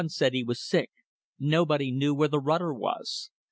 One said he was sick. Nobody knew where the rudder was.